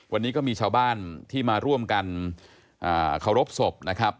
วันนี้ก็มีชาวบ้านที่มาร่วมกันเคารพศพนะครับ